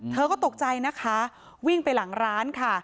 เธอก็ตกใจนะคะวิ่งไปหลังร้านค่ะ